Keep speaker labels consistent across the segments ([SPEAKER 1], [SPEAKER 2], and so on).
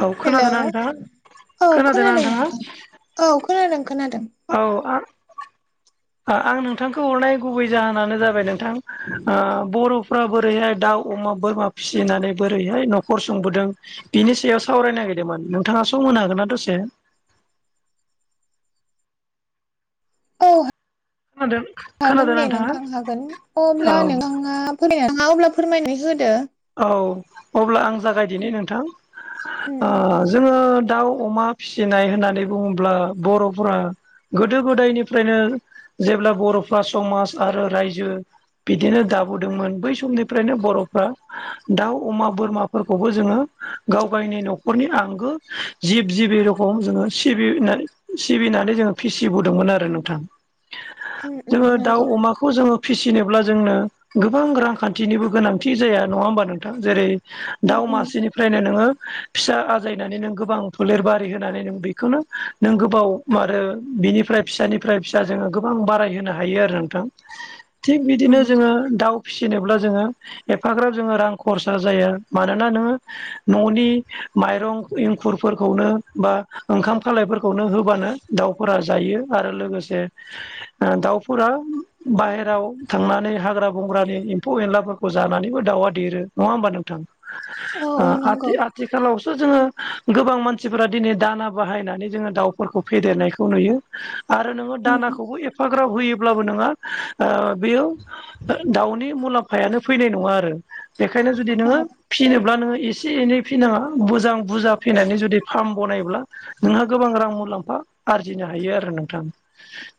[SPEAKER 1] औ
[SPEAKER 2] हेलौ
[SPEAKER 1] खोनादोंना नोंथाङा
[SPEAKER 2] औ
[SPEAKER 1] खोनादोंना
[SPEAKER 2] खोनादों
[SPEAKER 1] नोंथाङा
[SPEAKER 2] नोंथां औ खोनादों खोनादों।
[SPEAKER 1] औ आं आं नोंथांखौ हरनाय गुबै जाहोनानो जाबाय नोंथां बर'फ्रा बोरैहाय दाउ अमा बोरमा फिसिनानै बोरैहाय न'खर संबोदों बिनि सायाव सावरायनो नागिरदोंमोन नोंथांङा सम होनो हागोन ना दसे
[SPEAKER 2] औ
[SPEAKER 1] खोनादों
[SPEAKER 2] हागोन
[SPEAKER 1] खोनादों
[SPEAKER 2] दे
[SPEAKER 1] नोंथाङा
[SPEAKER 2] नोंथां हागोन
[SPEAKER 1] औ
[SPEAKER 2] अब्ला नोंथांङा नोंथांङा [unintelligible] अब्ला फोरमायनानै होदो।
[SPEAKER 1] औ अब्ला आं जागायदिनि नोंथां
[SPEAKER 2] उम
[SPEAKER 1] ओ
[SPEAKER 2] उम
[SPEAKER 1] जोंङो दाउ अमा फिसिनाय होननानै बुंङोब्ला बर'फोरा गोदो गोदायनिफ्रायनो जेब्ला बर'फ्रा समाज आरो रायजो बिदिनो दाबोदोंमोन बै समनिफ्रायनो बर'फ्रा दाउ अमा बोरमाफोरखौबो जोंङो गाव गावनि न'खरनि आंगो जिब जिबि रखम जोंङो सिबिनानै सिबिनानै जोंङो फिसिबोदोंमोन आरो नोंथां [inaudible]
[SPEAKER 2] ओ उम
[SPEAKER 1] जोङो दाउ
[SPEAKER 2] नंगौ
[SPEAKER 1] अमाखौ जोङो फिसिनोब्ला जोंनो गोबां रांखानथिनिबो गोनांथि जाया नङा होमबा नोंथां जेरै
[SPEAKER 2] उम
[SPEAKER 1] दाउ
[SPEAKER 2] उम
[SPEAKER 1] मासेनि फ्रायनो नोङो फिसा आजायनानै नों गोबां फोलेर बारि होनानै नों बेखौनो नों गोबाव आरो बिनिफ्राय फिसानिफ्राय फिसा जोङो गोबां बाराय होनोनो हायो आरो नोंथां थिग बिदिनो
[SPEAKER 2] उम
[SPEAKER 1] जोङो दाउ फिसिनोब्ला जोङो ए फाग्राब जोङो रां खरसा जाया मानोना नोङो न'नि माइरं एंखुरफोरखौनो बा ओंखाम खालायफोरखौनो होबानो दाउफोरा जायो आरो लोगोसे दाउफोरा बाहेरायाव थांनानै हाग्रा बंग्रानि एम्फौ एनलाफोरखौ जानानै दाउआ देरो नङा होमबा नोंथां
[SPEAKER 2] औ औ नंगौ
[SPEAKER 1] आदि आ थिखालावसो जोङो गोबां मानसिफोरा दिनै दाना बाहायनानै जोङो दाउफोरखौ फेदेरनायखौ नुयो आरो नोङो
[SPEAKER 2] उम उम
[SPEAKER 1] दानाखौबो ए फाग्राब होयोब्लाबो नङा बेयाव दाउनि मुलामफायानो फैनाय नङा आरो बेनिखायनो जुदि
[SPEAKER 2] औ
[SPEAKER 1] नोङो फिनोब्ला नोङो एसे एनै फिनाङा मोजां बुरजा फैनानै जुदि फार्म बनायब्ला नोंहा गोबां रां मुलामफा आरजिनो हायो आरो नोंथां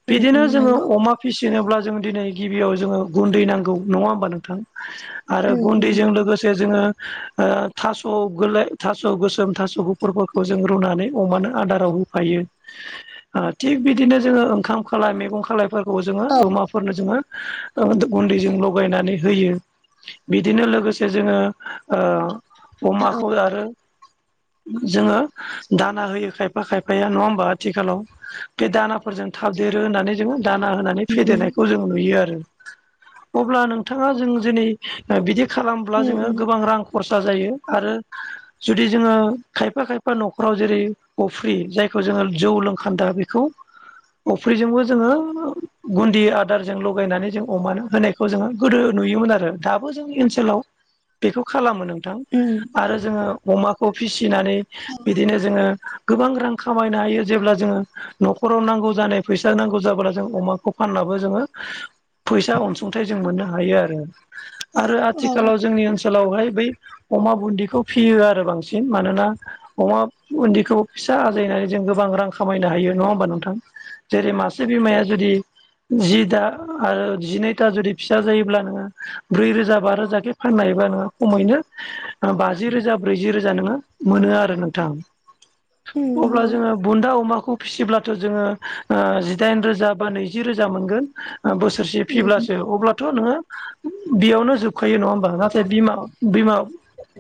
[SPEAKER 2] उम
[SPEAKER 1] बिदिनो
[SPEAKER 2] उम
[SPEAKER 1] जोङो
[SPEAKER 2] नंगौ
[SPEAKER 1] अमा फिसिनोब्ला जों दिनै गिबियाव जोङो गुनदै नांगौ नङा होमबा नोंथां आरो
[SPEAKER 2] उम उम
[SPEAKER 1] गुनदैजों लोगोसे जोङो थास'ल थास' गोसोम थास' गुफुरफोरखौ जों रुनानै अमानो आदाराव फायो थिग बिदिनो जोङो ओंखाम खालाय मैगं खालायफोरखौबो जोङो
[SPEAKER 2] औ
[SPEAKER 1] अमाफोरनो जोङो ओ गुनदैजों लगायनानै होयो बिदिनो लोगोसे जोङो ओ
[SPEAKER 2] औ
[SPEAKER 1] अमाखौ आरो जोङो दाना होयो खायफा खायफाया नङा होमबा आथिखालाव बे दानाफोरजों थाबदेरो होननानै जोङो दाना होनानै
[SPEAKER 2] उम उम
[SPEAKER 1] फेदेरनायखौ जों नुयो आरो अब्ला नोंथाङा जों दिनै ओ बिदि खालामब्ला
[SPEAKER 2] उम
[SPEAKER 1] जोङो
[SPEAKER 2] उम
[SPEAKER 1] गोबां रां खरसा जायो आरो जुदि जोङो खायफा खायफा न'खराव जेरै अफ्रि जायखौ जोङो जौ लोंखान्दा बेखौ अफ्रिजोंबो जोङो गुनदि आदारजों लगायनानै जों अमानो होनाय खौ जोङो गोदो नुयोमोन आरो दाबो जोंनि ओनसोलाव बेखौ खालामो नोंथां
[SPEAKER 2] उम
[SPEAKER 1] आरो जोङो अमाखौ फिसिनानै बिदिनो जोङो गोबां रां खामायनो हायो जेब्ला जोङो न'खराव नांगौ जानाय फैसा नांगौ जाबोला जों अमाखौ फाननबो जोङो फैसा अनसुंथाइ जों मोननो हायो आरो आरो
[SPEAKER 2] औ औ
[SPEAKER 1] आथिखालाव जोंनि ओनसोलावहाय बै अमा बुनदिखौ फियो आरो बांसिन मानोना अमा बुनदिखौ फिसा आजायनानै जों गोबां रां खामायनो हायो नङा होमबा नोंथां जेरै मासे बिमाया जुदि जि दा आरो जिनैथा जुदि फिसा जायोब्ला नोङो ब्रै रोजा बा रोजाखि फाननो होबा नोङो खमैनो बाजि रोजा ब्रैजि रोजा नो मोनो नोंथां
[SPEAKER 2] उम
[SPEAKER 1] अब्ला
[SPEAKER 2] नंगौ
[SPEAKER 1] जोङो बुन्दा अमाखौ फिसिब्लाथ' जोङो ओ जिदाइन रोजा बा नैजि रोजा मोनगोन ओ बोसोरसे
[SPEAKER 2] उम उम
[SPEAKER 1] फिब्लासो अब्लाथ' नोङो बेयावनो जोबखायो नङा होमबा नाथाय बिमा बिमा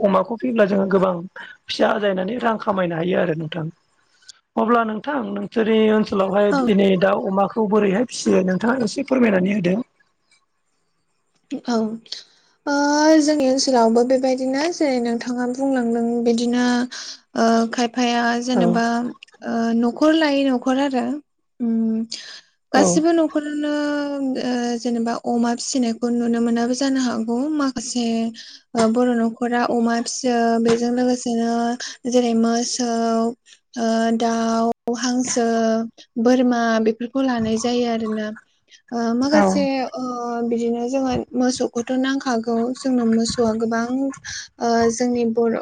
[SPEAKER 1] अमाखौ फैब्ला जोङो गोबां फिसा आजायनानै रां खामायनो हायो आरो नोंथां अब्ला नोंथां नोंसोर ओन ओनसोलावहाय
[SPEAKER 2] औ
[SPEAKER 1] दिनै दाउ अमाखौ बोरैहाय फिसियो नोंथाङा एसे फोरमायनानै होदों
[SPEAKER 2] औ ओ जोंनि ओनसोलावबो बेबायदिनो जेरै नोंथाङा बुंलांदों बिदिनो ओ खायफाया
[SPEAKER 1] औ
[SPEAKER 2] जेनेबा ओ न'खर लायै न'खर आरो
[SPEAKER 1] औ
[SPEAKER 2] गासिबो नखर फोरनो ओ जेनेबा अमा फिसिनाय खौ नुनो मोनाबो जानो हागौ माखासे ओ बर' न' खरा अमा फिसियो बेजों लोगोसेनो जेरै मोसौ ओ दाउ, हांसो बोरमा बेफोरखौ लानाय जायो आरोना ओ
[SPEAKER 1] औ
[SPEAKER 2] माखासे ओ बिदिनो जोङो मोसौखौथ' नांखागौ जोंनो मोसौआ गोबां ओ जोंनि बर'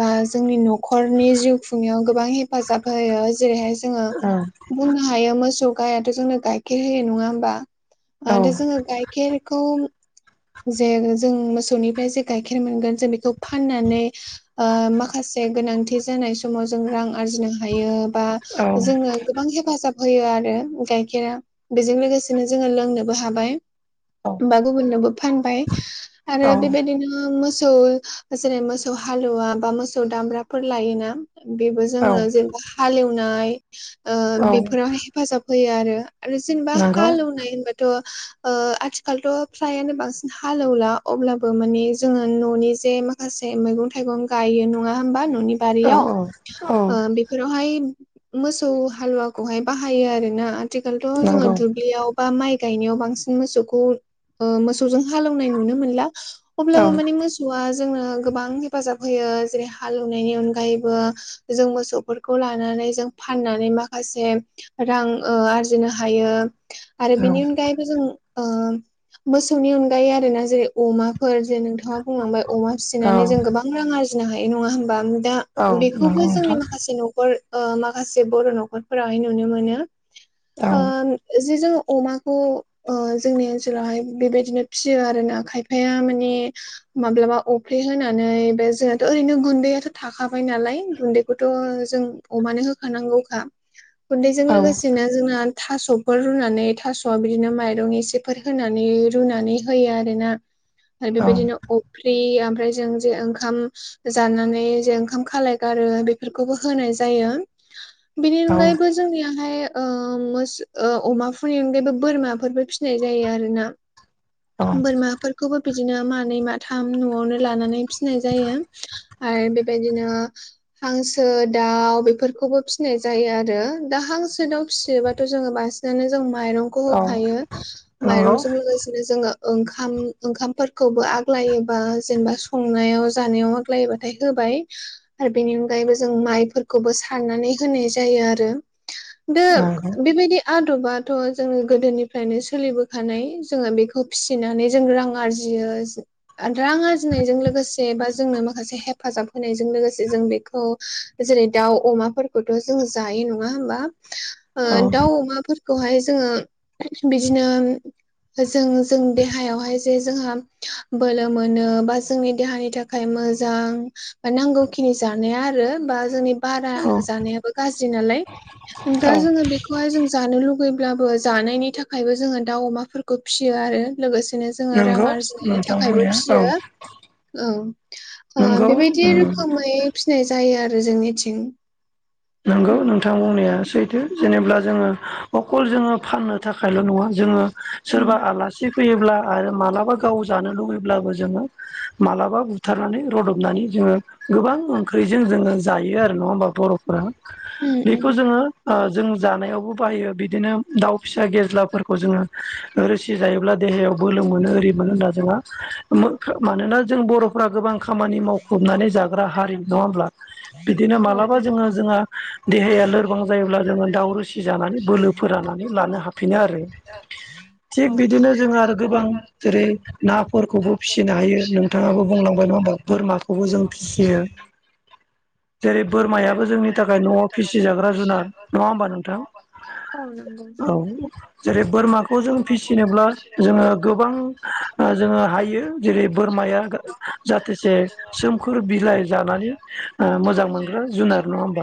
[SPEAKER 2] बा जोंनि न' खरनि जिउ खुंनायाव गोबां हेफाजाब होयो जेरैहाय जोङो बुंनो हायो मोसौ गायाथ' जोंनो गाइखेर होयो नङा होमबा
[SPEAKER 1] औ
[SPEAKER 2] जोङो गाइखेर खौ जे जों मोसौनिफ्राय जे गाइखेर मोनगोन जों बेखौ फाननानै ओ माखासे गोनांथि जानाय समाव जों रां आरजिनो हायो बा
[SPEAKER 1] औ
[SPEAKER 2] जोंनो गोबां हे फाजाब होयो आरो गाइखेरा बेजों लोगोसेनो जोङो लोंनोबो हाबाय बा गुबुननोबो फानबाय आरो
[SPEAKER 1] औ
[SPEAKER 2] बेबायदिनो मोसौ जेरै मोसौ हालुवा बा मोसौ दामब्राफोर लायोना बेबो
[SPEAKER 1] औ
[SPEAKER 2] जोंनो जेनेबा हालेवनाय ओ
[SPEAKER 1] औ
[SPEAKER 2] बेफोराव हेफाजाब होयो आरो आरो जेनेबा
[SPEAKER 1] नंगौ
[SPEAKER 2] हालएवनाय होनबाथ' ओ आथि आथिखालथ' फ्रायानो बांसिन हालेवला अब्लाबो माने जोङो न'नि जे मा खासे मैगं-थाइगं गायो नङा होमबा न'नि
[SPEAKER 1] औ
[SPEAKER 2] बारियाव
[SPEAKER 1] औ औ
[SPEAKER 2] ओ बि फोरावहाय मोसौ हालुवाखौहाय बाहायो आरोना आथिखालथ' जोङो
[SPEAKER 1] नंगौ
[SPEAKER 2] दुब्लियाव ओ माइ गायनायाव बांसिन मोसौखौ ओ मोसौजों हालेवनाय नुनो मोनला
[SPEAKER 1] औ
[SPEAKER 2] अब्लाबो माने मोसौआ जोंनो गोबां हेफाजाब होयो जेरै हाल एवनायनि अनगायैबो जों मोसौफोरखौ लानानै जों फाननानै माखासे रां ओ आरजिनो हायो आरो
[SPEAKER 1] औ
[SPEAKER 2] बेनि अनगायैबो जों ओ मोसौनि अनगायै आरो ना जेरै अमाफोर जे नोंथां नोंथाङा बुंलांबाय अमा
[SPEAKER 1] औ
[SPEAKER 2] फिसिनानै जों गोबां रां आरजिनो हायो नङा होनबा दा
[SPEAKER 1] नंगौ
[SPEAKER 2] बेखौबो जोंनि
[SPEAKER 1] नोंथां
[SPEAKER 2] माखासे न'खर ओ माखासे बर' न'खरफोराहाय नुनो मोनो
[SPEAKER 1] औ
[SPEAKER 2] ओ जे जों अमाखौ ओ जोंनि ओन सोलावहाय बेबायदिनो फियो आरोना खायफाया माने माब्लाबा अफ्रि होनानै बे जोंहाथ' ओरैनो गुन्दैयाथ' थाखाबाय नालाय गुन्दै बेखौथ' जों अमानो होखानांगौखा
[SPEAKER 1] [inaudible]
[SPEAKER 2] गुन्दैजों
[SPEAKER 1] औ
[SPEAKER 2] लोगोसेनो जोंना थास'फोर रुनानै थास'आ बिदिनो माइरं एसे फोर होनानै रुनानै होयो आरोना आरो
[SPEAKER 1] औ
[SPEAKER 2] बेबायदिनो अफ्रि आमफ्राय जों जे ओंखाम जानानै जे ओंखाम खालाय गारो बेफोरखौबो होनाय जायो बिनि
[SPEAKER 1] औ
[SPEAKER 2] अनगायैबो जोंनियाहाय ओ मोस ओ अमाफोरनि अनायैबो बोरमाफोरबो फिनाय जायो आरोना
[SPEAKER 1] औ
[SPEAKER 2] बोरमाफोर खौबो बिदिनो मानै माथाम न'आवनो लानानै फिनाय जायो आरो बेबायदिनो हांसो, दाउ बेफोरखौबो फिनाय जायो आरो दा हांसो, दाउ फिसियोबाथ' जोङो बां नानो जों माइरंखौ
[SPEAKER 1] औ
[SPEAKER 2] होखायो
[SPEAKER 1] नंगौ
[SPEAKER 2] माइरंजों लोगोसेनो जोङो ओंखाम ओंखामफोरखौबो आग्लायोबा जेनेबा संनायाव जानायाव लायोबाथाय होबाय आरो बेनि अनगायैबो जों माइफोरखौबो सारनानै होनाय जायो आरो दा
[SPEAKER 1] नंगौ
[SPEAKER 2] बेबायदि आद'बाथ' जोङो गोदोनि फ्रायनो सोलिबोखानाय जोङो बेखौ फिसिनानै जों रां आरजियो रां आरजिनायजों लोगोसे बा जोंनो माखासे हेफाजाब होनायजों लोगोसे जों बेखौ जेरै दाउ, अमाफोर खौथ' जों जायो नङा होमबा?
[SPEAKER 1] औ
[SPEAKER 2] दाउ अमाफोरखौहाय जोङो बिदिनो जों जों देहायावहाय जे जोंहा बोलो मोनो बा जोंनि देहानि थाखाय मोजां नांगौ खिनि जानाया आरो बा जोंनि बारा
[SPEAKER 1] औ
[SPEAKER 2] जानायाबो गाज्रि नालाय दा
[SPEAKER 1] औ
[SPEAKER 2] जोङो बेखौ बेखौहाय जों जानो लुुबैब्लाबो जानायनि थाखायबो जोङो दाउ अमाफोरखौ फिसियो आरो लोगोसेनो जोङो रां
[SPEAKER 1] नंगौ
[SPEAKER 2] आरजिनायनि
[SPEAKER 1] नोंथां
[SPEAKER 2] थाखायबो
[SPEAKER 1] बुंनाया औ
[SPEAKER 2] फिसियो औ
[SPEAKER 1] नंगौ
[SPEAKER 2] बेबायदि
[SPEAKER 1] उम
[SPEAKER 2] रोखोमै फिसिनाय जायो आरो जोंनिथिं
[SPEAKER 1] नंगौ
[SPEAKER 2] उम
[SPEAKER 1] नोंथां बुंनाया सैथो जेनेब्ला जोङो अखल जोङो फाननो थाखायल' नङा जोङो सोरबा आलासि फैयोब्ला आरो मालाबा गाव जानो लुुबैब्लाबो जोङो मालाबा बुथारनानै रदबनानै जोङो गोबां ओंख्रिजों जोङो जायो आरो नङा होमबा बर'फोरा
[SPEAKER 2] उम उम
[SPEAKER 1] बेखौ जोङो जों जानायावबो बाहायो बिदिनो दाउ फिसा गेज्लाफोरखौ जोङो रोसि जायोब्ला देहायाव बोलो मोनो ओरि मोनो होनना जोंहा मानोना जों बर' गोबां खामानि मावखुबनानै जाग्रा हारि नङा होमब्ला बिदिनो
[SPEAKER 2] औ
[SPEAKER 1] मालाबा जोङो जोंहा देहाया लोरबां जायोब्ला जोङो दााव रोसि जानानै बोलो फोराननानै लानो हाफिनो आरो
[SPEAKER 2] औ
[SPEAKER 1] थिग बिदिनो जोङो आरो गोबां जेरै नाफोरखौबो फिसिनो हायो नोंथाङाबो बुंलां बोरमाखौबो जों फिसियो जेरै बोरमाया जोंनि थाखाय न'आव फिसिजाग्रा जुनार नङा होमबा नोंथां
[SPEAKER 2] औ नंगौ
[SPEAKER 1] औ जेरै बोरमाखौ जों फिसिनोब्ला जोङो गोबां जोङो हायो जेरै बोरमाया जाथोसे सोमखोर बिलाइ जानानै मोजां मोनग्रा जुनार नङा होमबा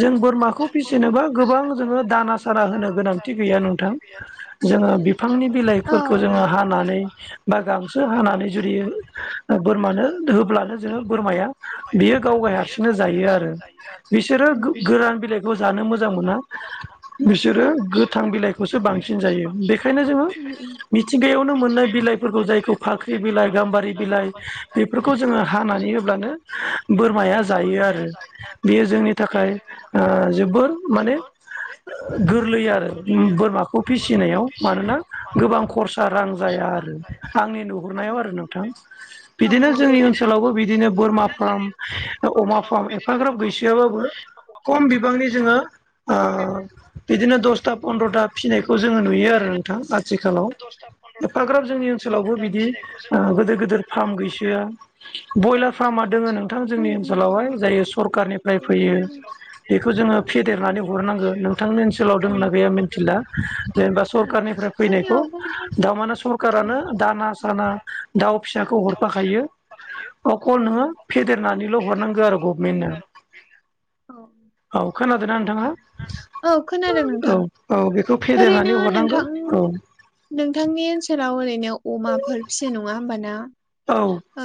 [SPEAKER 1] जों बोरमाखौ फिसिनोबा गोबां जोङो दाना सारा होनो गोनांथि गैया नोंथां। जोङो बिफांनि बिलाइफोरखौ जोङो हानानै बा गांसो हानानै। जुदि ओ बोरमानो होब्लानो जोङो बोरमाया बेयो गाव गाय हारसिंनो जायो आरो। बिसोरो गोरान बिलाइखौ जानो मोजां मोना। बिसोरो गोथां बिलाइखौसो बांसिन जायो बेखायनो जोङो मिथिंगायावनो मोननाय बिलाइ फोरखौ जायखौ फाख्रि बिलाइ। गाम्बारि बिलाइ बेफोरखौ जोङो हानानै होब्लानो बोरमाया जायो आरो। बेयो जोंनि थाखाय ओ जोबोर माने गोरलै आरो बोरमाखौ। खौ फिसिनायाव मानोना गोबां खरसा रां जाया आरो आंनि नुहुरनायाव आरो नोंथां।
[SPEAKER 2] औ
[SPEAKER 1] बिदिनो
[SPEAKER 2] नंगौ
[SPEAKER 1] जोंनि
[SPEAKER 2] नोंथां।
[SPEAKER 1] ओनसोलावबो बिदिनो बोरमा फार्म, अमा फार्म एफाग्राब गैस- गैयाबाबो खम बिबांनि जोङो बिदिनो दसथा पन्द्रता फिनायखौ जोङो नुयो आरो नोंथां आथिखालाव एफाग्राब जोंनि ओन ओनसोलावबो बिदि ओ गिदोर गिदोर फार्म गैसोआ। ब्रयलार फार्मा दङ नोंथां जोंनि ओनसोलावहाय जाय सरखारनि रायफैयो बेखौ जोङो फेदेरनानै हरनांगो नोंथांनि ओनसोलाव दंना गैया? मिन्थिला। जेनेबा सरखारनिफ्राय फैनायखौ
[SPEAKER 2] जोंनियावबो दं
[SPEAKER 1] दामाने सरखारानो दाना साना। दाउ फिसाखौ हरफाखायो अखौ नोङो फेदेरनानैल' हरनांगौ आरो गभमेन्टनो।
[SPEAKER 2] औ
[SPEAKER 1] औ खोनादोंना नोंथाङा
[SPEAKER 2] औ खोनादों
[SPEAKER 1] औ।
[SPEAKER 2] नोंथां
[SPEAKER 1] औ बेखौ
[SPEAKER 2] ओरैनो
[SPEAKER 1] फेदेरनानै हरनांगो
[SPEAKER 2] नोंथां
[SPEAKER 1] औ।
[SPEAKER 2] नोंथांनि ओनसोलाव ओरैनो अमाफोर फियो नङा होमबा ना?
[SPEAKER 1] औ।
[SPEAKER 2] औ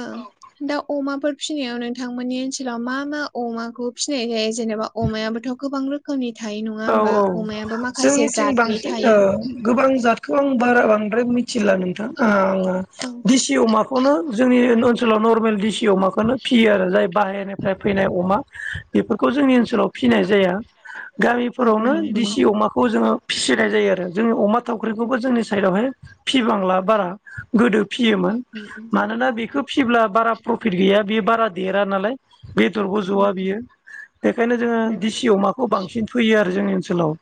[SPEAKER 2] दा अमाफोर फिनायाव नोंथांमोननि ओनसोलाव मा मा अमाखौ फिसनाय जायो? जेनेबा अमायाबोथ' गोबां रोखोमनि थायो नङा
[SPEAKER 1] औ
[SPEAKER 2] होमबा,
[SPEAKER 1] औ
[SPEAKER 2] अमायाबो माखासे
[SPEAKER 1] जोंनिथिं
[SPEAKER 2] जाद
[SPEAKER 1] ओ बांसिन आंङो गोबां जादखौ आं बारा बांद्राय मिथिला नोंथां आङो
[SPEAKER 2] औ
[SPEAKER 1] दिसि अमाखौनो जोंनि ओनसोलाव नरमेल डिसि अमाखोनो फियो आरो जाय बाहेरनिफ्राय फैनाय अमा, बेफोरखौ जोंनि ओनसोलाव फिनाय जाया। गामि
[SPEAKER 2] औ औ
[SPEAKER 1] फोरावनो
[SPEAKER 2] नंगौ
[SPEAKER 1] दिसि
[SPEAKER 2] नोंथां।
[SPEAKER 1] अमाखौ जोङो फिसिनाय जायो आरो जोंनि अमा थावख्रिखौबो जोंनि साइडआवहाय फिबांला बारा गोदो फियोमोन। मानोना बेखो फिब्ला बारा प्रफिट गैया बे बारा देरा नालाय। बेदरबो ज'वा बियो बेखायनो जोङो दिसि अमाखौ बांसिन फैयो आरो जोंनि ओनसोलाव।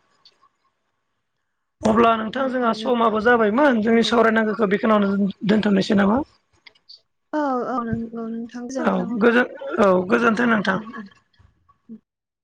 [SPEAKER 1] अब्ला नोंथां जोंहा समाबो जाबायमोन, जोंनि सावरायनांगोखो बेखोनावनो दोनथ'नोसै नामा?
[SPEAKER 2] औ औ नोंथां
[SPEAKER 1] औ
[SPEAKER 2] गोजोनथों अब्ला।
[SPEAKER 1] गोजोन औ गोजोनथों नोंथां।